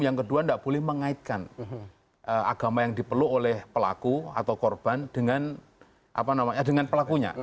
yang kedua tidak boleh mengaitkan agama yang dipeluk oleh pelaku atau korban dengan pelakunya